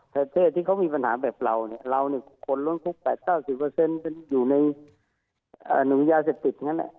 ประเทศที่เขามีปัญหาแบบเราเราคนล้วนคุก๘๐๙๐อยู่ในหนุนยาเสด็จติด